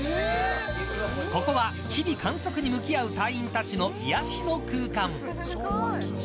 ここは、日々観測に向き合う隊員たちの癒やしの空間。